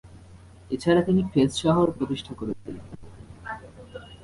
এছাড়া তিনি ফেজ শহরও প্রতিষ্ঠা করেছিলেন।